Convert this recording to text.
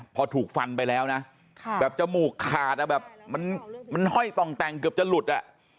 พอถูกฟันไปแล้วนะแบบจมูกขาดอ่ะแบบมันห้อยต่องแต่งเกือบจะหลุดอ่ะ